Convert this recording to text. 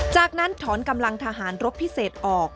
จากนั้นถอนกำลังทหารรบพิเศษออก